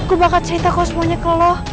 gue bakal cerita kalo semuanya ke lo